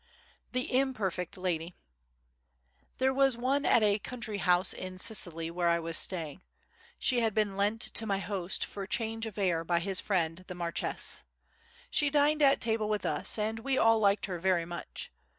The Imperfect Lady There was one at a country house in Sicily where I was staying. She had been lent to my host for change of air by his friend the marchese. She dined at table with us and we all liked her very much.